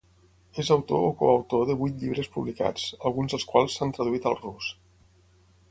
És autor o coautor de vuit llibres publicats, alguns dels quals s'han traduït al rus.